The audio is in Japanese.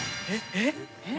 えっ！？